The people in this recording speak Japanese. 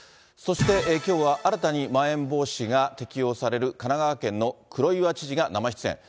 そしてきょうは新たにまん延防止が適用される神奈川県の黒岩知事が生出演。